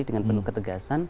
dengan penuh ketegasan